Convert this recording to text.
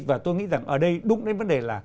và tôi nghĩ rằng ở đây đúng đến vấn đề là